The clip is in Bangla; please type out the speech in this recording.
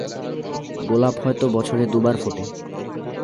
গোলাপ হয়তো বছরে দুবার ফোটে।